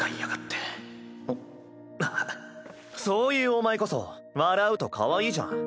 そういうお前こそ笑うとかわいいじゃん。